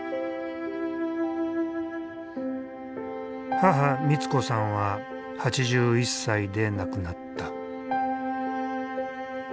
母光子さんは８１歳で亡くなった。